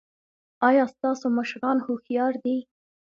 ایا ستاسو مشران هوښیار دي؟